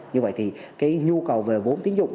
như vậy thì cái nhu cầu về vốn tín dụng